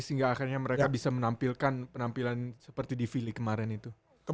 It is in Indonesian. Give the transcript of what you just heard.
sehingga akhirnya mereka bisa menampilkan penampilan seperti di fili kemarin itu